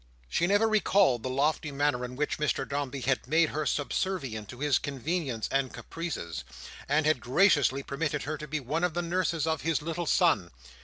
She never recalled the lofty manner in which Mr Dombey had made her subservient to his convenience and caprices, and had graciously permitted her to be one of the nurses of his little son.